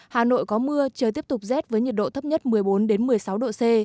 hà nội có mưa trời tiếp tục rét với nhiệt độ thấp nhất một mươi bốn một mươi sáu độ c